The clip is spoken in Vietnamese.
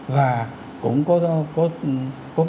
và cũng có